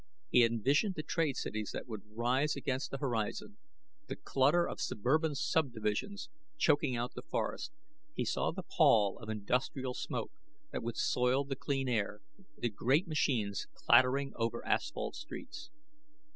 He envisioned the trade cities that would rise against the horizon, the clutter of suburban subdivisions choking out the forests; he saw the pall of industrial smoke that would soil the clean air, the great machines clattering over asphalt streets.